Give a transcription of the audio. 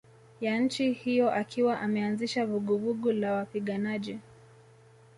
ya nchi hiyo akiwa ameanzisha vuguvugu la wapiganaji